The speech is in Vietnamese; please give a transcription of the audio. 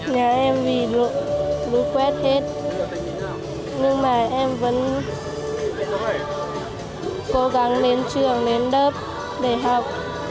nhà em vì lũ quét hết nhưng mà em vẫn cố gắng đến trường đến lớp để học